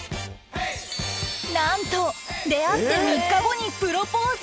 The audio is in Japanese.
なんと出会って３日後にプロポーズ！